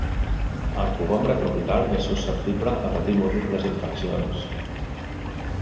El cogombre tropical és susceptible a patir múltiples infeccions.